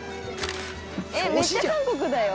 えっ、めっちゃ韓国だよ。